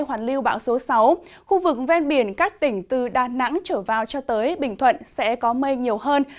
hoàn lưu bão số sáu khu vực ven biển các tỉnh từ đà nẵng trở vào cho tới bình thuận sẽ có mây nhiều hơn